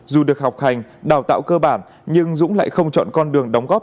dù được học hành đào tạo cơ bản nhưng dũng lại không chọn con đường đóng góp